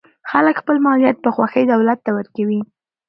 خلک خپل مالیات په خوښۍ دولت ته ورکوي.